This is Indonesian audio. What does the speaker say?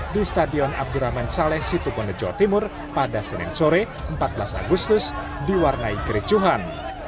di stadion abdurrahman saleh situbondo jawa timur pada senin sore empat belas agustus diwarnai kericuhan